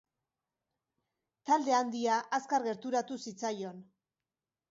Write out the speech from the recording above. Talde handia azkar gerturatu zitzaion.